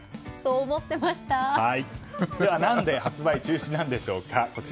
では何で発売中止なんでしょうか。